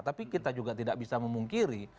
tapi kita juga tidak bisa memungkiri